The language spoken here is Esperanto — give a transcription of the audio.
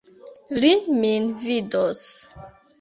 Li min vidos!